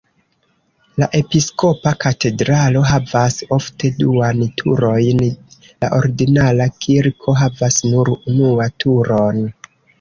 La episkopa katedralo havas ofte duan turojn, la ordinara kirko havas nur unua turon.